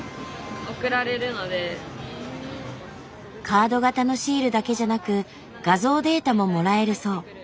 カード型のシールだけじゃなく画像データももらえるそう。